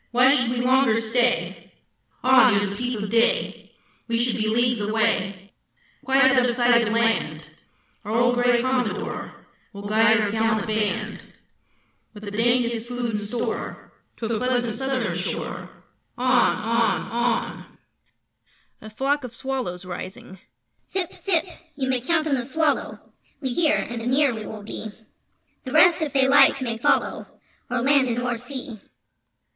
Why should we longer stay? On! Ere the peep of day We should be leagues away, Quite out of sight of land! Our old gray Commodore Will guide our gallant band With the daintiest food in store! To a pleasant southern shore, On! On! On! [A Flock of Swallows Rising]: Zip! Zip! You may count on the Swallow! We hear, and anear we will be; The rest, if they like, may follow O'er land and o'er sea.